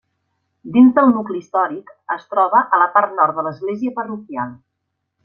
Dins del nucli històric es troba a la part nord de l'església parroquial.